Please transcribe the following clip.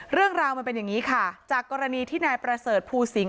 เรื่องราวมันเป็นอย่างนี้ค่ะจากกรณีที่นายประเสริฐภูสิง